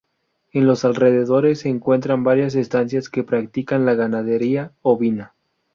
En los alrededores se encuentran varias estancias que practican la ganadería ovina.